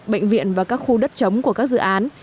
bệnh viện và các khu đất chống của các dự án